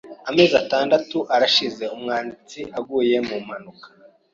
Amezi atandatu arashize umwanditsi aguye mu mpanuka.